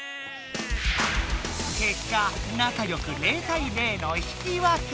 けっか仲よく０対０の引き分け！